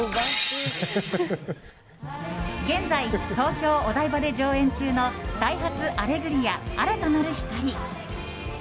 現在、東京・お台場で上演中の「ダイハツアレグリア‐新たなる光‐」。